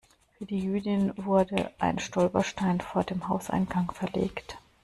Für die Jüdin wurde ein Stolperstein vor dem Hauseingang verlegt.